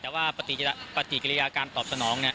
แต่ว่าปฏิกิริยาการตอบสนอง